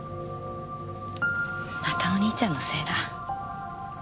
またお兄ちゃんのせいだ。